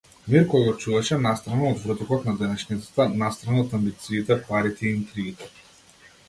Мир кој го чуваше настрана од врутокот на денешницата, настрана од амбициите, парите, интригите.